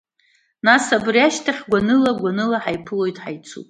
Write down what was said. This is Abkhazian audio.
Нас, абри ашьҭахь гәаныла, гәаныла ҳаиԥылоит, ҳаицуп.